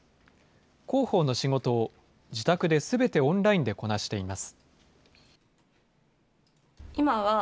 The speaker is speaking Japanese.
広報の仕事を、自宅ですべてオンラインでこなしています。